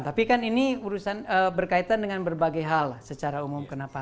tapi kan ini urusan berkaitan dengan berbagai hal secara umum kenapa